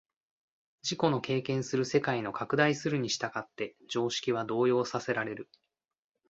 自己の経験する世界の拡大するに従って常識は動揺させられる。